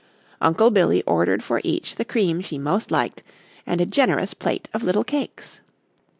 Uncle Billy ordered for each the cream she most liked and a generous plate of little cakes.